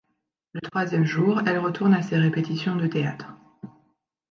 Le troisième jour, elle retourne à ses répétitions de théâtre.